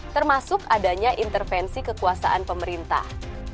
termasuk adanya intervensi kekuasaan pemerintah